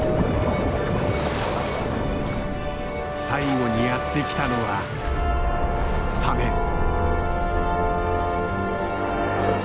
最後にやって来たのはサメ。